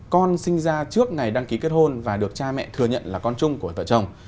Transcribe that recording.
con sinh ra trước ngày đăng ký kết hôn và được cha mẹ thừa nhận là con chung của vợ chồng